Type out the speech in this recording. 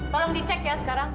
tolong dicek ya sekarang